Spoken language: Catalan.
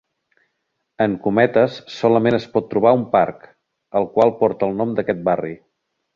En Cometes solament es pot trobar un parc, el qual porta el nom d'aquest barri.